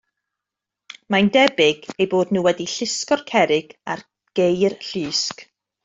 Mae'n debyg eu bod nhw wedi llusgo'r cerrig ar geir llusg.